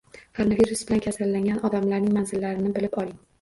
Koronavirus bilan kasallangan odamlarning manzillarini bilib oling